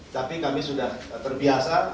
tapi kami sudah terbiasa